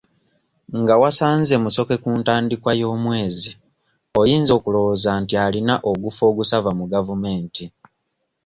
Nga wasanze Musoke ku ntandikwa y'omwezi oyinza okulowooza nti alina ogufo ogusava mu gavumenti.